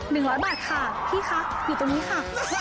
ร้อยบาทค่ะพี่คะอยู่ตรงนี้ค่ะ